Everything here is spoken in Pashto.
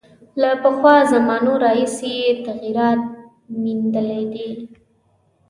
له پخوا زمانو راهیسې یې تغییرات میندلي دي.